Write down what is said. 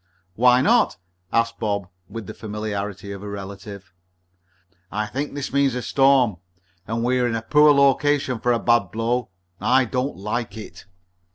"Why not?" asked Bob, with the familiarity of a relative. "I think this means a storm, and we're in a poor location for a bad blow. I don't like it."